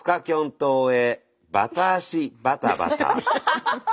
島へバタ足バタバタ！」。